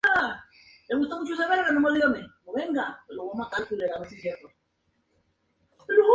En su formato original, el largometraje duraba cerca de cuatro horas.